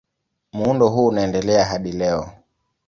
Muundo huu unaendelea hadi leo.